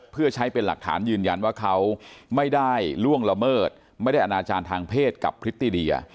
เพื่อใช้เป็นหลักฐานยืนยันว่าเขาไม่ได้ล่วงละเมิดไม่ได้อนาจารย์ทางเพศกับพริตตีเดีย